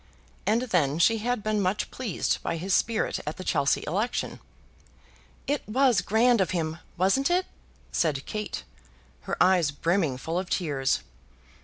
And then she had been much pleased by his spirit at that Chelsea election. "It was grand of him, wasn't it?" said Kate, her eyes brimming full of tears.